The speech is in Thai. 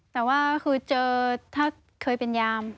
แต่ว่าคือเจอถ้าเคยเป็นยาม